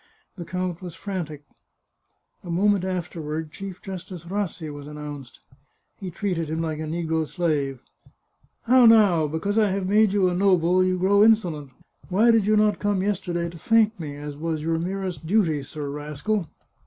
The count was frantic. A moment afterward. Chief Justice Rassi was announced; he treated him like a negro slave. " How now ! Because I have made you a noble, you grow insolent. Why did you not come yesterday to thank me, as was your merest duty. Sir Rascal